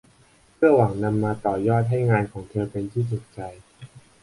เพื่อหวังนำมาต่อยอดให้งานของเธอเป็นที่ถูกใจ